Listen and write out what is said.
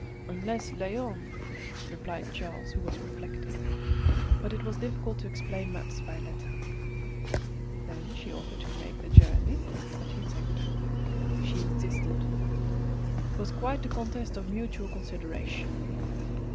"Unless Léon " replied Charles, who was reflecting. But it was difficult to explain matters by letter. Then she offered to make the journey, but he thanked her. She insisted. It was quite a contest of mutual consideration.